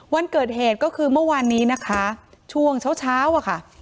วันเกิดเหตุก็คือเมื่อวานนี้นะคะช่วงเช้าเช้าอะค่ะ